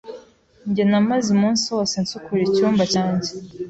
Njye namaze umunsi wose nsukura icyumba cyanjye.